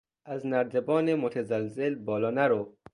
از نردبان متزلزل بالا نرو!